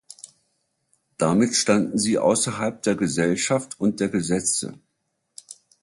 Damit standen sie außerhalb der Gesellschaft und der Gesetze.